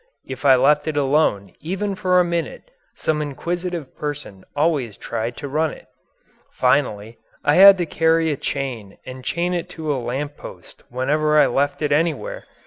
If I left it alone even for a minute some inquisitive person always tried to run it. Finally, I had to carry a chain and chain it to a lamp post whenever I left it anywhere.